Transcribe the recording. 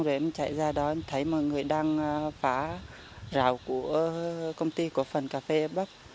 em thấy mọi người đang phá rào của công ty của phần cà phê bắp